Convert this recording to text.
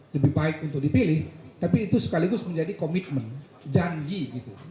lebih baik untuk dipilih tapi itu sekaligus menjadi komitmen janji gitu